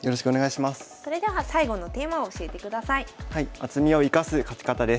「厚みを生かす勝ち方」です。